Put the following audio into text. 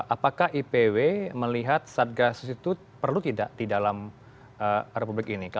apakah ipw melihat satgasus itu perlu tidak di dalam republik ini